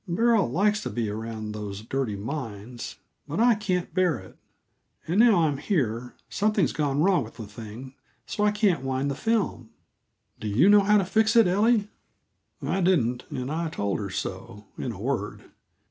Beryl likes to be around those dirty mines but I can't bear it. And, now I'm here, something's gone wrong with the thing, so I can't wind the film. Do you know how to fix it, Ellie?" I didn't, and I told her so, in a word.